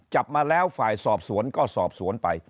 จับมาแล้วฝ่ายสอบสวนก็สอบสวนไป